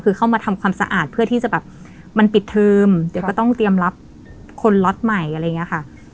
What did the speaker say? คือเข้ามาทำความสะอาดเพื่อที่จะแบบมันปิดเทอมเดี๋ยวก็ต้องเตรียมรับคนล็อตใหม่อะไรอย่างนี้ค่ะ